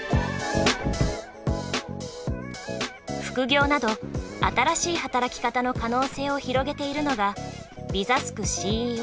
副業など新しい働き方の可能性を広げているのがビザスク